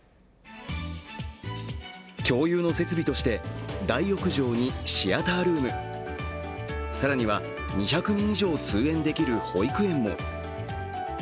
共有の設備として大浴場にシアタールーム、更には２００人以上、通園できる保育園も。